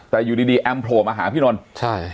แต่อยู่ดีดีแอมโผล่มาหาพี่นนท์ใช่